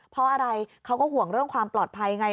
เพราะอะไรเขาก็ห่วงเรื่องความปลอดภัยไง